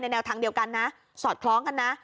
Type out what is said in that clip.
แนวทางเดียวกันนะสอดคล้องกันนะ